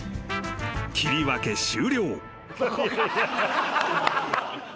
切り分け終了］